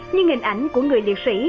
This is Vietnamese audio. nhưng hình ảnh của người liệt sĩ